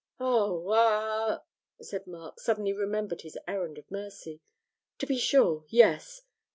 'Oh, ah,' said Mark, suddenly remembering his errand of mercy, 'to be sure, yes.